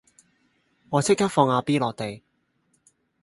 我即刻放阿 B 落地